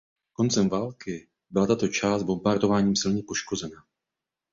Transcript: Koncem války byla tato část bombardováním silně poškozena.